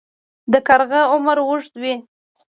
د کارغه عمر اوږد وي